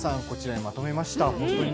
こちらにまとめました。